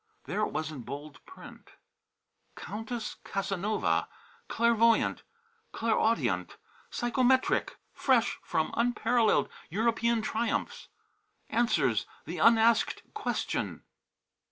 There it was in bold print: COUNTESS CASANOVA Clairvoyant ... Clairaudient Psychometric. Fresh from Unparalleled European Triumphs. Answers the Unasked Question.